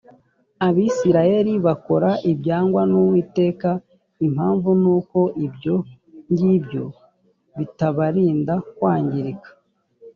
abisirayeli bakora ibyangwa n uwiteka impamvu ni uko ibyo ngibyo bitabarinda kwangirika